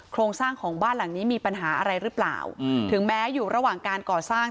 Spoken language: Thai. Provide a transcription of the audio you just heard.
โครงสร้างของบ้านหลังนี้มีปัญหาอะไรหรือเปล่าถึงแม้อยู่ระหว่างการก่อสร้าง